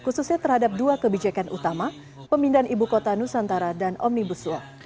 khususnya terhadap dua kebijakan utama pemindahan ibu kota nusantara dan omnibus law